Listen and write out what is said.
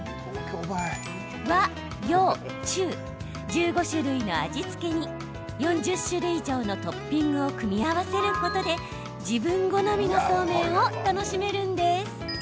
和洋中、１５種類の味付けに４０種以上のトッピングを組み合わせることで自分好みのそうめんを楽しめるんです。